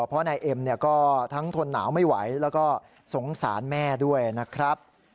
เพราะนายเอ็มก็ทั้งทนหนาวไม่ไหวแล้วก็สงสารแม่ด้วยนะครับ